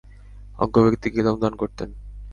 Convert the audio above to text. অজ্ঞ ব্যক্তিকে ইলম দান করতেন।